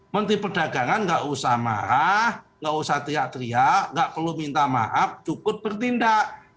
menteri perdagangan nggak usah marah nggak usah teriak teriak nggak perlu minta maaf cukup bertindak